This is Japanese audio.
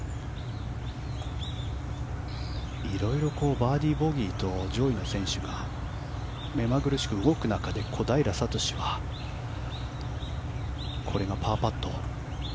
色々バーディー、ボギーと上位の選手が目まぐるしく動く中で小平智はこれがパーパット。